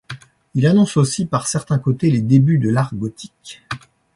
Il annonce aussi par certains côtés les débuts de l'art gothique.